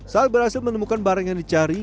saat berhasil menemukan barang yang dicari